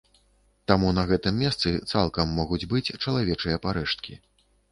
Таму на гэтым месцы цалкам могуць быць чалавечыя парэшткі.